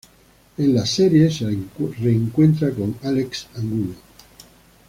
En la serie se reencuentra con Álex Angulo.